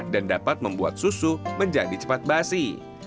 dan dapat membuat susu menjadi cepat basi